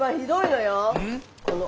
この。